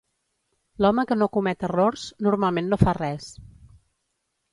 L'home que no comet errors, normalment no fa res.